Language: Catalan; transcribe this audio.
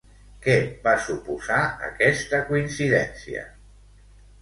Què va suposar aquesta coincidència?